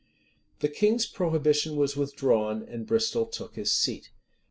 [] The king's prohibition was withdrawn, and Bristol took his seat.